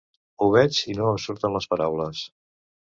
Ho veig i no em surten les paraules.